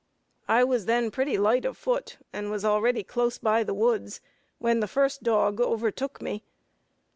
I was then pretty light of foot, and was already close by the woods when the first dog overtook me.